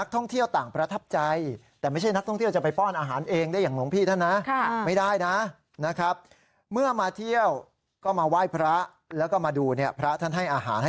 ที่เป็นจอราเค่อยู่ในสระ